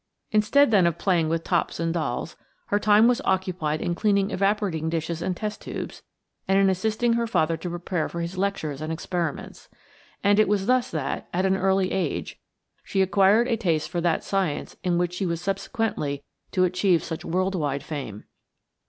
Instead, then, of playing with tops and dolls, her time was occupied in cleaning evaporating dishes and test tubes and in assisting her father to prepare for his lectures and experiments. And it was thus that, at an early age, she acquired a taste for that science in which she was subsequently to achieve such world wide fame.